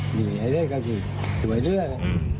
เหนียวอย่างนี้ก็คือสวยเรื่อง